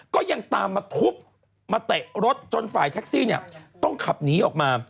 ก็ยังตามมาทุบมาเตะรถจนฝ่ายแท็กซี่เนี่ยต้องขับหนีออกมา